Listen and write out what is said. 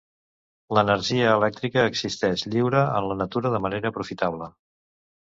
L'energia elèctrica existeix lliure en la natura de manera aprofitable.